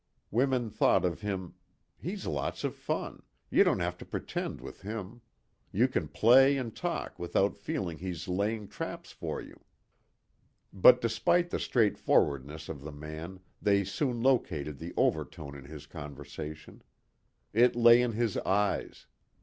Women thought of him, "He's lots of fun. You don't have to pretend with him. You can play and talk without feeling he's laying traps for you." But despite the straightforwardness of the man they soon located the overtone in his conversation. It lay in his eyes.